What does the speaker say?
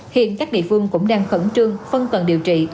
hiện các địa phương cũng đang khẩn trương phân cần điều trị